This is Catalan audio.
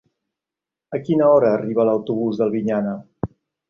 A quina hora arriba l'autobús d'Albinyana?